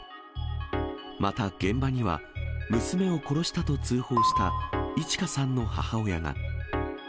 また現場には、娘を殺したと通報したいち花さんの母親が。